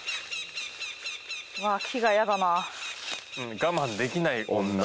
我慢できない女